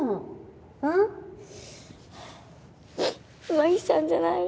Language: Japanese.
真紀ちゃんじゃないの。